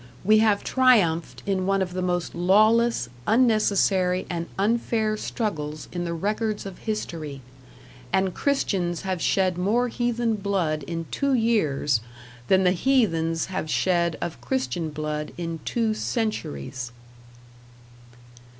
We have triumphed in one of the most lawless, unnecessary, and unfair struggles in the records of history; and Christians have shed more heathen blood in two years, than the heathens have shed of Christian blood in two centuries.